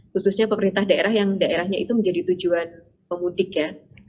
khususnya pemerintah daerah yang daerahnya itu menjadi tujuan pemudik ya